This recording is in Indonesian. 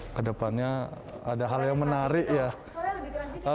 hai ke depannya ada hal yang menarik ya